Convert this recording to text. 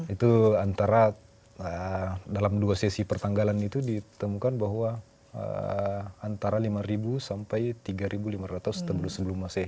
itu antara dalam dua sesi pertanggalan itu ditemukan bahwa antara lima sampai tiga lima ratus sebelum mase